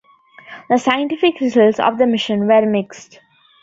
The scientific results of the mission were mixed.